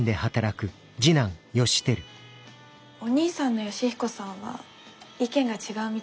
お兄さんの義彦さんは意見が違うみたいでしたけど。